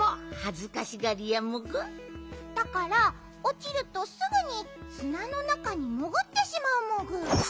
だからおちるとすぐにすなのなかにもぐってしまうモグ。